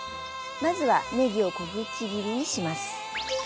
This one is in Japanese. まずはねぎを小口切りにします。